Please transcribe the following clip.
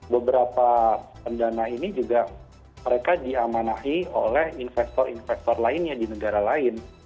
beberapa pendana ini juga mereka diamanahi oleh investor investor lainnya di negara lain